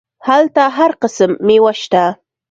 هلته هر قسم ميوه سته.